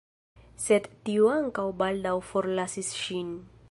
Sed tiu ankaŭ baldaŭ forlasis ŝin.